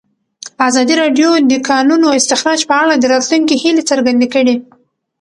ازادي راډیو د د کانونو استخراج په اړه د راتلونکي هیلې څرګندې کړې.